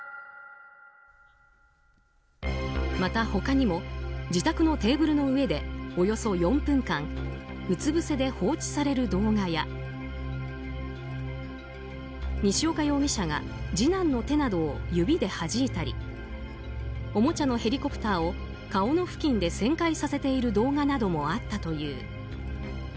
また他にも自宅のテーブルの上でおよそ４分間うつ伏せで放置される動画や西岡容疑者が次男の手などを指ではじいたりおもちゃのヘリコプターを顔の付近で旋回させている動画などもあったという。